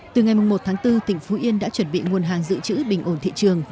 từ ngày một tháng bốn tỉnh phú yên đã chuẩn bị nguồn hàng giữ chữ bình ổn thị trường